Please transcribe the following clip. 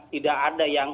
tidak ada yang